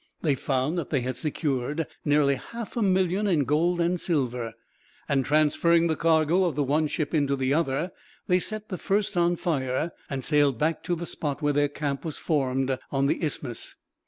They found that they had secured nearly half a million in gold and silver; and, transferring the cargo of the one ship into the other, they set the first on fire, and sailed back to the spot where their camp was formed, on the isthmus.